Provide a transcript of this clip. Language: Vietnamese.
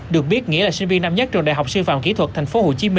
được biết nghĩa là sinh viên năm nhất trường đại học sư phạm kỹ thuật tp hcm